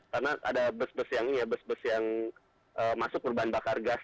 karena ada bus bus yang masuk perban bakar gas